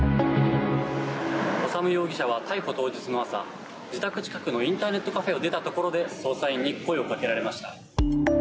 修容疑者は逮捕当日の朝自宅近くのインターネットカフェを出たところで捜査員に声をかけられました。